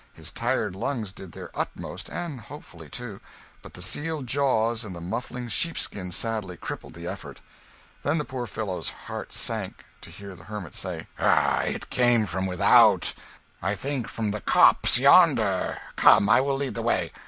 His tired lungs did their utmost and hopefully, too but the sealed jaws and the muffling sheepskin sadly crippled the effort. Then the poor fellow's heart sank, to hear the hermit say "Ah, it came from without I think from the copse yonder. Come, I will lead the way."